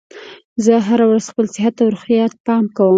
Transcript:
زه هره ورځ خپل صحت او روغتیا ته پام کوم